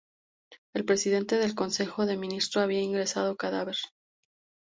El presidente del Consejo de Ministros había ingresado cadáver.